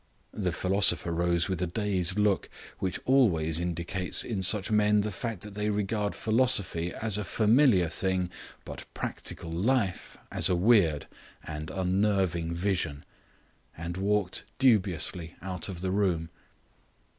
The philosopher rose with a dazed look, which always indicates in such men the fact that they regard philosophy as a familiar thing, but practical life as a weird and unnerving vision, and walked dubiously out of the room.